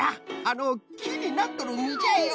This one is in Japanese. あのきになっとるみじゃよ。